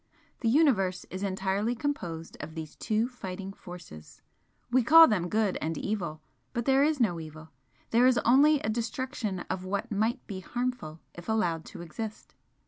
The Universe is entirely composed of these two fighting forces we call them good and evil but there is no evil there is only a destruction of what MIGHT be harmful if allowed to exist.